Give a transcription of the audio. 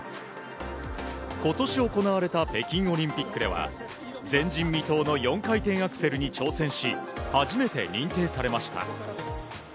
今年行われた北京オリンピックでは前人未到の４回転アクセルに挑戦し初めて認定されました。